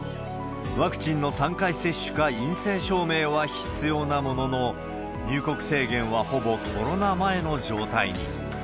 ワクチンの３回接種か陰性証明は必要なものの、入国制限はほぼコロナ前の状態に。